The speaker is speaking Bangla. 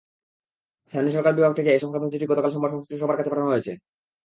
স্থানীয় সরকার বিভাগ থেকে এ-সংক্রান্ত চিঠি গতকাল সোমবার সংশ্লিষ্ট সবার কাছে পাঠানো হয়েছে।